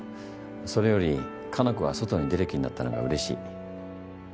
それより可南子が外に出る気になったのがうれしい。